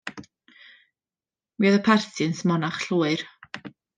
Mi oedd y parti yn smonach llwyr.